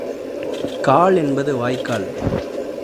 கால் என்பது வாய்க்கால்.